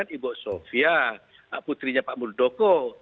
pak muldoko sofia putrinya pak muldoko